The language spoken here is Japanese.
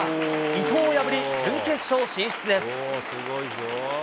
伊藤を破り、準決勝進出です。